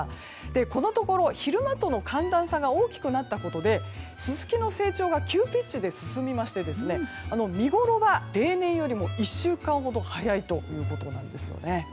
このところ昼間との寒暖差が大きくなったことでススキの成長が急ピッチで進みまして見ごろが例年より１週間ほど早いということです。